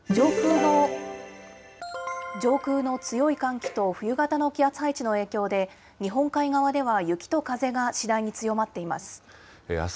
上空の強い寒気と冬型の気圧配置の影響で、日本海側では雪と風が次第に強まっています。